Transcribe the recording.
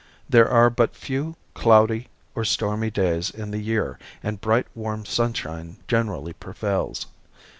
There are but few cloudy or stormy days in the year and bright, warm sunshine generally prevails.